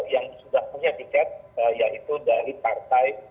yang sudah punya tiket yaitu dari partai